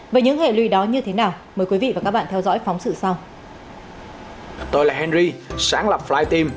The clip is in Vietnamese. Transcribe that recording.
vậy những hệ lụy đó như thế nào mời quý vị và các bạn theo dõi phóng sự sau